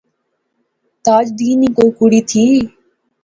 تاج دین نی کوئی کڑی تھی؟